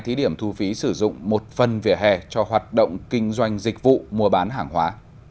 thí điểm thu phí sử dụng một phần vỉa hè cho hoạt động kinh doanh dịch vụ mua bán hàng hóa